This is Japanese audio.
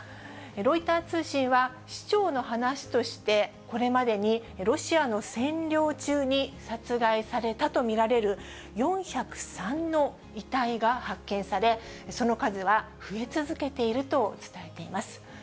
ロイター通信は、市長の話として、これまでにロシアの占領中に、殺害されたと見られる４０３の遺体が発見され、その数は増え続けていると伝えています。